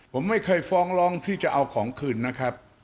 ผมไม่เคยฟ้องร้องที่จะเอาของคืนนะครับ